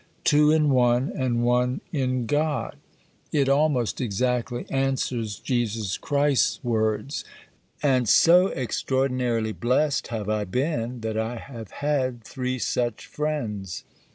Two in one, and one in God. It almost exactly answers Jesus Christ's words. And so extraordinarily blessed have I been that I have had three such friends.